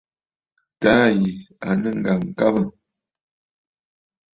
Taà yì à nɨ̂ ŋ̀gàŋkabə̂.